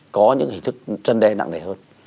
có những hình thức trân đe nặng này hơn